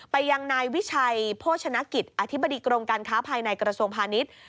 ไปยังนายวิชัยโภชนกิจอธิบดีกรมการค้าภายในกระทรวงพาณิชย์